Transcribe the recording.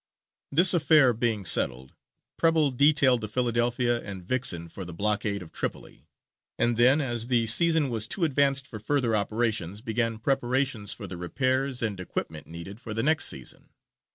This affair being settled, Preble detailed the Philadelphia and Vixen for the blockade of Tripoli, and then, as the season was too advanced for further operations, began preparations for the repairs and equipment needed for the next season.